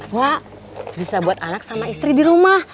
gua bisa buat anak sama istri di rumah